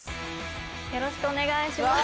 よろしくお願いします。